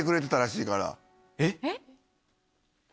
えっ？